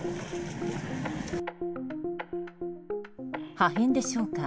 破片でしょうか。